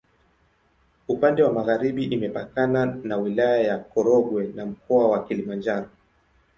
Upande wa magharibi imepakana na Wilaya ya Korogwe na Mkoa wa Kilimanjaro.